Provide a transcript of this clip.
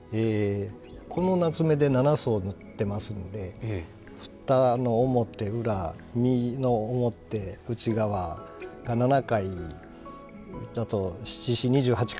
このなつめで７層塗ってますので蓋の表・裏身の表・内側が７回だと７×４２８回。